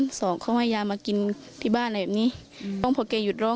ก็ไม่เข้ารู้ว่ามีอะไรเธอเห็น